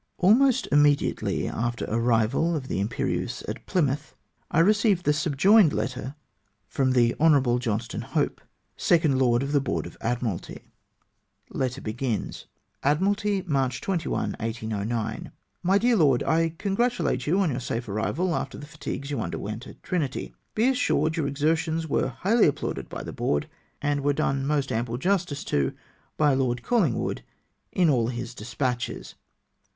Almost immediately after arrival of tlie Imperieuse at Plymouth, I received the subjoined letter from the Hon. Johnstone Hope, Second Lord of the Board of Admiralty :— "Admiralty, March 21, 1S09. " My Dear Loed, — I congratulate you on your safe arri val after the fatigues you underwent at Trinity. Be assured your exertions there were highly applauded by the Board, and were done most ample justice to by Lord Collingwood in all his despatches.